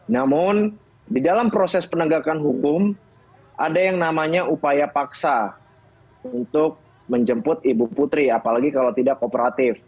namun di dalam proses penegakan hukum ada yang namanya upaya paksa untuk menjemput ibu putri apalagi kalau tidak kooperatif